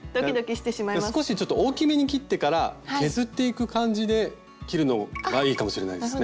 少しちょっと大きめに切ってから削っていく感じで切るのがいいかもしれないですね。